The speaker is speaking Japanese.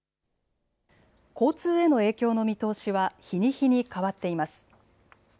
交通への影響の見通しは日に日に変わっています。